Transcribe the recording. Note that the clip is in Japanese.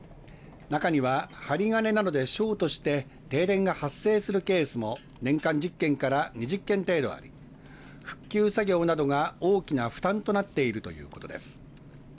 中には、針金などでショートして停電が発生するケースも年間１０件から２０件程度あり復旧作業などが大きな負担となっているということです。